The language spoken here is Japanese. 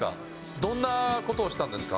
どんなことをしたんですか。